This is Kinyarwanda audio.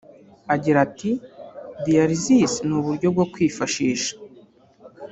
Agira ati “Dialysis ni uburyo bwo kwifashisha